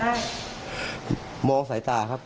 แล้วไม่มีเสียงถ้าเราเกิดขึ้น